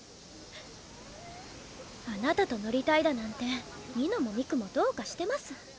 あなたと乗りたいだなんて二乃も三玖もどうかしてます